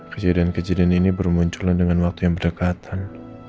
kejadian kejadian ini bermunculan dengan waktu yang berdekatan